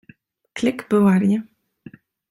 Klik Bewarje.